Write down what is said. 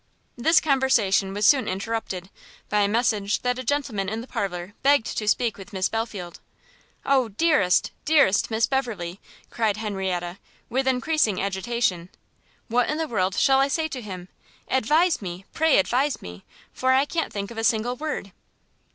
This conversation was soon interrupted, by a message that a gentleman in the parlour begged to speak with Miss Belfield. "O dearest, dearest Miss Beverley!" cried Henrietta, with encreasing agitation, "what in the world shall I say to him, advise me, pray advise me, for I can't think of a single word!"